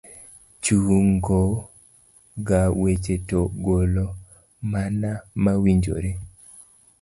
chungo ga weche to golo mana ma owinjore.